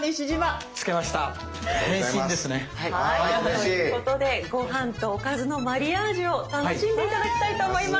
はいということでご飯とおかずのマリアージュを楽しんで頂きたいと思います。